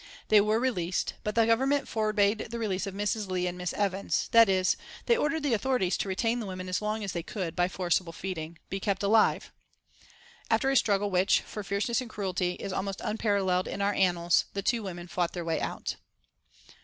They were released, but the Government forbade the release of Mrs. Leigh and Miss Evans, that is, they ordered the authorities to retain the women as long as they could, by forcible feeding, be kept alive. After a struggle which, for fierceness and cruelty, is almost unparalleled in our annals, the two women fought their way out.